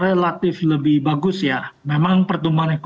dengan physiological shape betul atau tidak